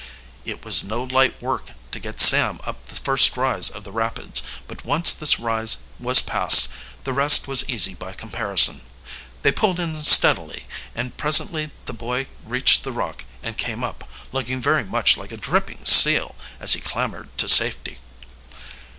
It was no light work to get Sam up the first rise of the rapids, but once this rise was passed the rest was easy by comparison. They pulled in steadily, and presently the boy reached the rock and came up, looking very much like a dripping seal as he clambered to safety.